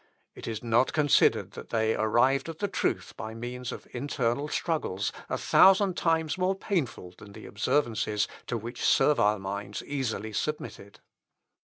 It is not considered that they arrived at the truth by means of internal struggles, a thousand times more painful than the observances to which servile minds easily submitted.